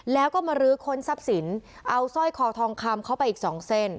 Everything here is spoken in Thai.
แล้วก็มาลื้อค้นทรัพย์สินเอาสร้อยคอทองคำเข้าไปอีกสองเส้น